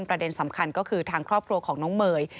ประเด็นสำคัญก็คือทางครอบครัวของน้องเมย์